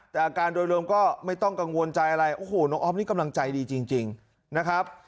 แต่อาการโดยรวมก็ไม่ต้องกังวลใจอะไรโอ้โหน้องออฟนี่กำลังใจดีจริงนะครับ